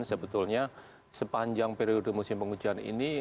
sebetulnya sepanjang periode musim penghujan ini